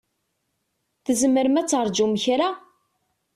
Tzemrem ad terǧum kra?